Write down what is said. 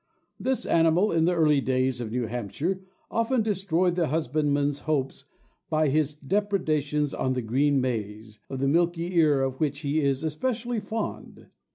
This animal, in the early days of New Hampshire, often destroyed the husbandman's hopes by his depredations on the green maize, of the milky ear of which he is especially fond.